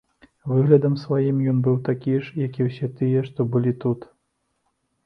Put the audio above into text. Выглядам сваім ён быў такі ж як і ўсе тыя, што былі тут.